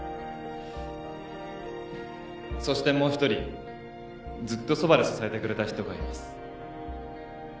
そしてもう一人ずっとそばで支えてくれた人がいます。